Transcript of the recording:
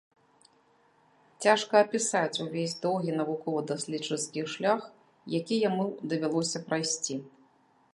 Цяжка апісаць увесь доўгі навукова-даследчыцкі шлях, які яму давялося прайсці.